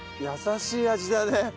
優しい味だね。